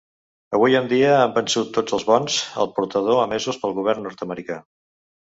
Avui en dia han vençut tots els Bons al portador emesos pel govern nord-americà.